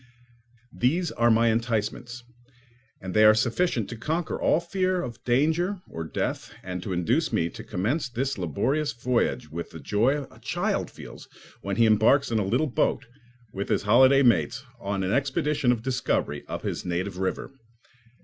These are my enticements, and they are sufficient to conquer all fear of danger or death and to induce me to commence this laborious voyage with the joy a child feels when he embarks in a little boat, with his holiday mates, on an expedition of discovery up his native river.